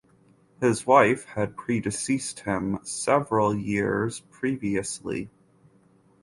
His wife had predeceased him several years previously.